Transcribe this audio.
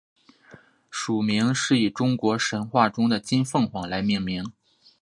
属名是以中国神话中的金凤凰来命名。